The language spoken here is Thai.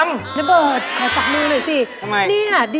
น้าเบิร์ดขอฝักมือหน่อยสิ